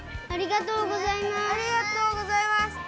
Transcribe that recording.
ありがとうございます。